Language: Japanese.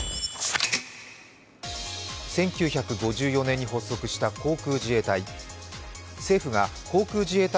１９５４年に発足した航空自衛隊。